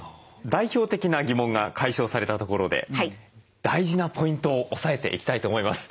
代表的な疑問が解消されたところで大事なポイントを押さえていきたいと思います。